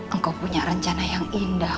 engkau punya rencana yang indah